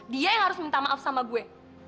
dia yang harus minta maaf sama gue